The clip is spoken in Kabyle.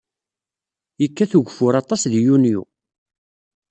Yekkat ugeffur aṭas di yunyu.